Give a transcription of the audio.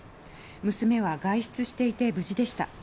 娘は外出していて無事でした。